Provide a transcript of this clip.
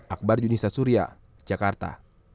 akbar yunisah surya jakarta